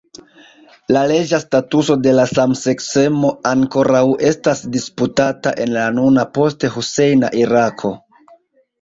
La leĝa statuso de la samseksemo ankoraŭ estas disputata en la nuna post-Husejna Irako.